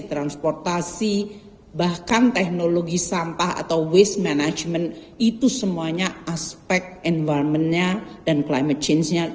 transportasi bahkan teknologi sampah atau waste management itu semuanya aspek environmentnya dan climate changenya luar biasa